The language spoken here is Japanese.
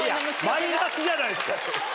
マイナスじゃないですか。